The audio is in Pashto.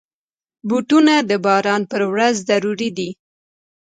بوټونه د باران پر ورځ ضروري دي.